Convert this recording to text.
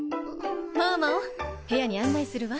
猫猫部屋に案内するわ。